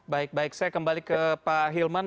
baik baik saya kembali ke pak hilman